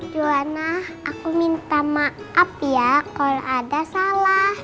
juwana aku minta maaf ya kalau ada salah